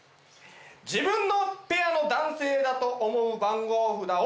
自分のペアの男性だと思う番号札をお上げください！